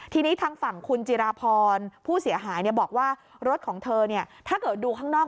ทีนี้ทางฝั่งคุณจิราพรผู้เสียหายบอกว่ารถของเธอถ้าเกิดดูข้างนอก